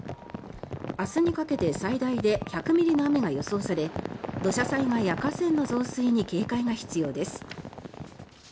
明日にかけて最大で１００ミリの雨が予想され土砂災害や河川の増水に警戒が必要です。